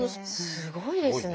すごいですね。